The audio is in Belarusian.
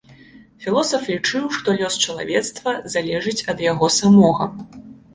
Філосаф лічыў, што лёс чалавецтва залежыць ад яго самога.